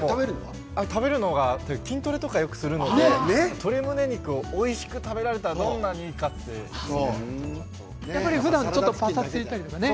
食べるのは筋トレとかよくするので鶏むね肉をおいしく食べられたらふだんぱさついちゃったりとかね。